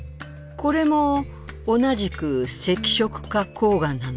これも同じく赤色花こう岩なの？